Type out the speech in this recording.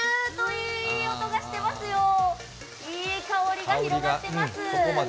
いい香りが広がってます。